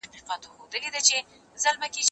زه اوږده وخت کتابتون ته ځم؟